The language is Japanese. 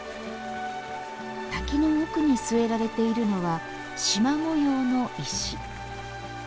滝の奥に据えられているのはしま模様の石。